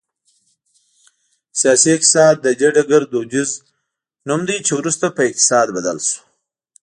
سیاسي اقتصاد د دې ډګر دودیز نوم دی چې وروسته په اقتصاد بدل شو